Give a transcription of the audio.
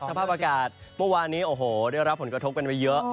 สภาพอากาศเมื่อวานนี้โอ้โหได้รับผลกระทบกันไปเยอะ